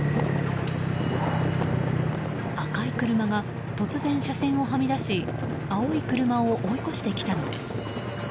赤い車が突然、車線をはみ出し青い車を追い越してきたのです。